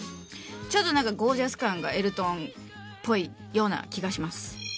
ちょっとなんかゴージャス感がエルトンっぽいような気がします。